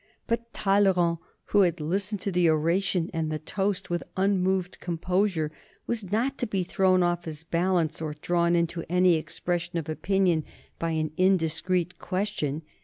But Talleyrand, who had listened to the oration and the toast with unmoved composure, was not to be thrown off his balance or drawn into any expression of opinion by an indiscreet question.